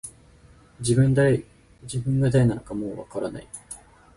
自分が誰なのかもう分からない